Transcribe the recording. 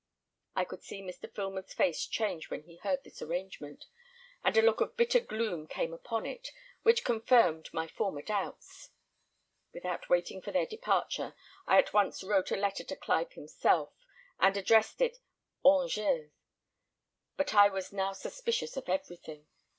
I could see Mr. Filmer's face change when he heard this arrangement; and a look of bitter gloom came upon it, which confirmed my former doubts. Without waiting for their departure, I at once wrote a letter to Clive himself, and addressed it 'Angers;' but I was now suspicious of everything.